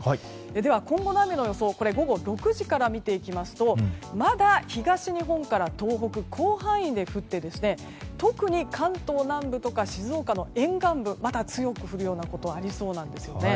では今後の雨の予想を午後６時から見ていきますとまだ東日本から東北の広範囲で降って特に関東南部とか静岡の沿岸部また強く降るようなことがあるようなんです。